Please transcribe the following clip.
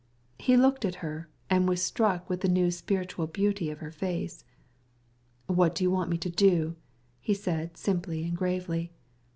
He looked at her and was struck by a new spiritual beauty in her face. "What do you wish of me?" he said simply and seriously.